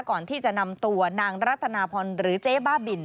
ก่อนที่จะนำตัวนางรัตนาพรหรือเจ๊บ้าบิน